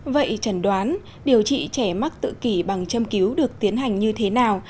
vậy trần đoán điều trị trẻ mắc tự kỷ bằng châm cứu được tiến hành như thế nào